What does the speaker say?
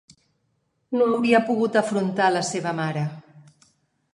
No hauria pogut afrontat la seva mare.